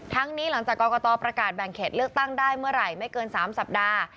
นี้หลังจากกรกตประกาศแบ่งเขตเลือกตั้งได้เมื่อไหร่ไม่เกิน๓สัปดาห์